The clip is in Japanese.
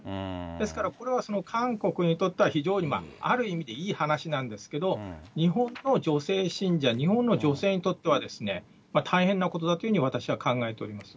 ですから、これは韓国にとっては非常にある意味でいい話なんですけど、日本の女性信者、日本の女性にとっては大変なことだというふうに私は考えております。